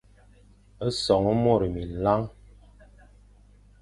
Son môr minlañ,